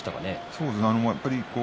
そうですね。